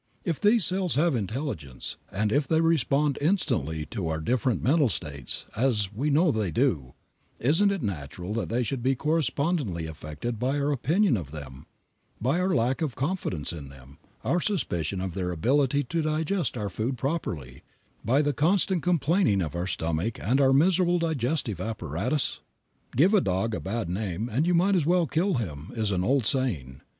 If these cells have intelligence, and if they respond instantly to our different mental states, as we know they do, isn't it natural that they should be correspondingly affected by our opinion of them, by our lack of confidence in them, our suspicion of their ability to digest our food properly, by our constant complaining of our stomach and our miserable digestive apparatus? Give a dog a bad name and you might as well kill him, is an old saying.